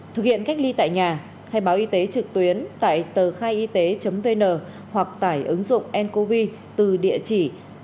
thực hiện cách ly tại nhà khai báo y tế trực tuyến tại tờ khai y tế vn hoặc tải ứng dụng ncov từ địa chỉ